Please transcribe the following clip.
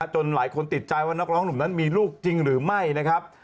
จนหลายคนติดใจว่านักร้องหนุ่มนั้นมีลูกจริงหรือไม่นะครับ